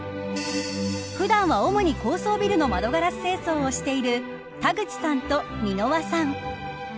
普段は主に高層ビルの窓ガラス清掃をしている田口さんと箕輪さん。